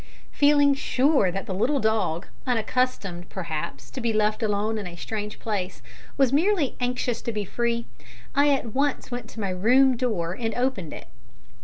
Feeling sure that the little dog, unaccustomed, perhaps, to be left alone in a strange place, was merely anxious to be free, I at once went to my room door and opened it.